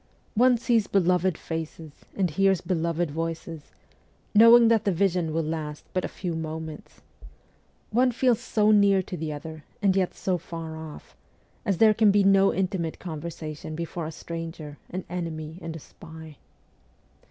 One sees beloved faces and hears beloved voices, knowing that the vision will last but a few moments ; one feels so near to the other, and yet so far off, as there can be no intimate conversation before a stranger, an enemy and a spy.